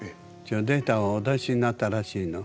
データをお出しになったらしいの。